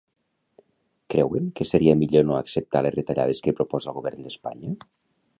Creuen que seria millor no acceptar les retallades que proposa el govern d'Espanya?